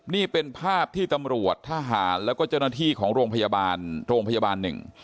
นี่เป็นภาพที่ตำรวจทหารและเจอาทิตุของโรงพยาบาลหนึ่ง